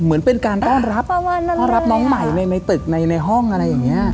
เหมือนเป็นการต้อนรับต้อนรับน้องใหม่ในตึกในห้องอะไรอย่างนี้